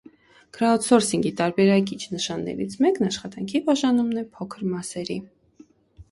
Քրաուդսորսինգի տարբերակիչ նշաններից մեկն աշխատանքի բաժանումն է փոքր մասերի։